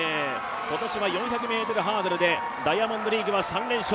今年は４００ｍハードルでダイヤモンドリーグは３連勝。